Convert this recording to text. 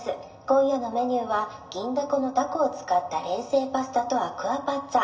今夜のメニューは「銀だこ」のタコを使った冷製パスタとアクアパッツァ。